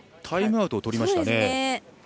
タイムアウトをとりましたね。